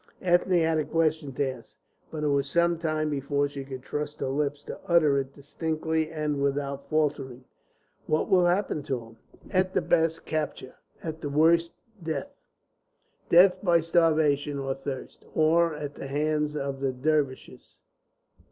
Ethne had a question to ask, but it was some time before she could trust her lips to utter it distinctly and without faltering. "What will happen to him?" "At the best, capture; at the worst, death. Death by starvation, or thirst, or at the hands of the Dervishes.